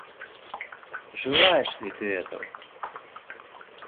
Желаешь ли ты этого?